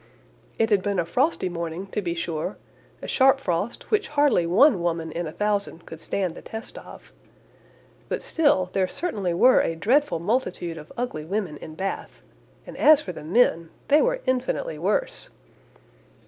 It had been a frosty morning, to be sure, a sharp frost, which hardly one woman in a thousand could stand the test of. But still, there certainly were a dreadful multitude of ugly women in Bath; and as for the men! they were infinitely worse.